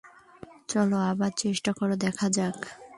চলো আবার চেষ্টা করে দেখা যাক।